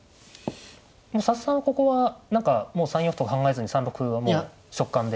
佐々木さんはここは何かもう３四歩とか考えずに３六歩はもう直感で。